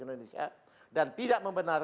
tidak ada lagi anggota tni yang berpengaruh